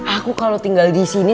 aku kalau tinggal di sini